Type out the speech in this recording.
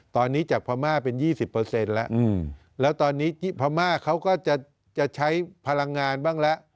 ตอนนี้จากพม่าเป็นยี่สิบเปอร์เซ็นต์แล้วแล้วตอนนี้พม่าเขาก็จะใช้พลังงานบ้างแล้ว